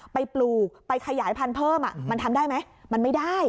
ปลูกไปขยายพันธุ์เพิ่มมันทำได้ไหมมันไม่ได้